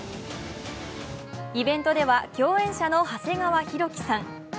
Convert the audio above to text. イベントでは共演者の長谷川博己さん